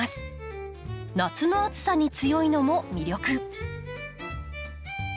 夏の暑さに強いのも魅力。